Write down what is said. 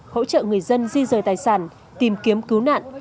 hỗ trợ người dân di rời tài sản tìm kiếm cứu nạn